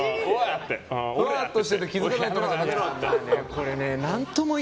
ぼっとしてて気づかないとかじゃなくてね。